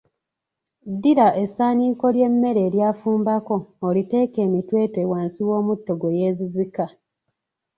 Ddira essaaniiko ly’emmere eryafumbako olimuteeke emitweetwe wansi w’omutto gwe yeezizika.